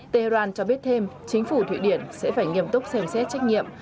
tehran cho biết thêm chính phủ thụy điển sẽ phải nghiêm túc xem xét trách nhiệm